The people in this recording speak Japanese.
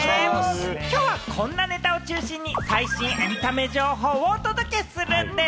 きょうはこんなネタを中心に最新のエンタメ情報をお届けするんでぃす！